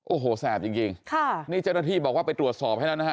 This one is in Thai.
โอ้โหแสบจริงจริงค่ะนี่เจ้าหน้าที่บอกว่าไปตรวจสอบให้แล้วนะฮะ